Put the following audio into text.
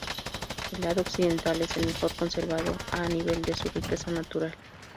El lado occidental es el mejor conservado a nivel de su riqueza natural.